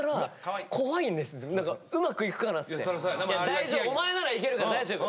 「大丈夫お前ならいけるから大丈夫。